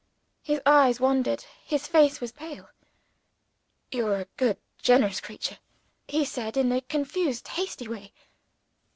His eyes wandered; his face was pale. "You are a good generous creature," he said, in a confused hasty way.